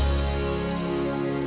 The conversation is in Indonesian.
gak ada kan